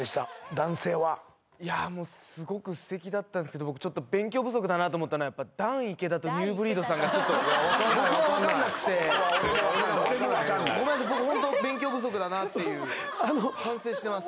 男性はもうすごく素敵だったんですけど僕ちょっと勉強不足だなと思ったのはやっぱダン池田とニューブリードさんがちょっと僕はわかんなくてごめんなさい僕ホント勉強不足だなっていう反省してます